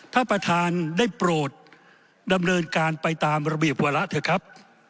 ท่านประธานได้โปรดดำเนินการไปตามระเบียบวาระเถอะครับ